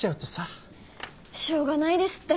しょうがないですって。